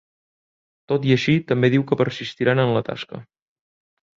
Tot i així, també diu que persistiran en la tasca.